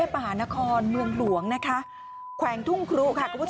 ไม่ได้